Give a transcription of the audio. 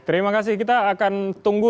terima kasih kita akan tunggu